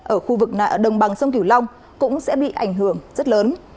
ở đồng bằng sông kiểu long cũng sẽ bị ảnh hưởng rất lớn